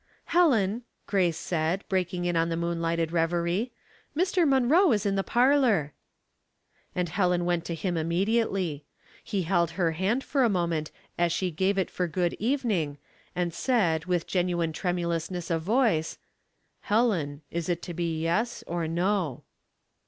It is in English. "Helen," Grace said, breaking in on the moon lighted reverie, " Mr. Munroe is in the parlor." 152 Household Puzzles, And Heleu went to him immediately. He held her hand for a moment as she gave it for good evening, and said, with genuine tremulous ness of voice, —" Helen, is it to be yes, or no